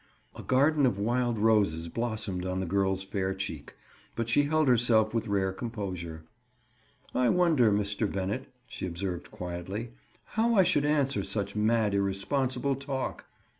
A garden of wild roses blossomed on the girl's fair cheek, but she held herself with rare composure. "I wonder, Mr. Bennett," she observed quietly, "how I should answer such mad irresponsible talk?"